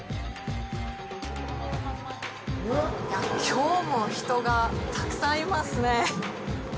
きょうも人がたくさんいますね。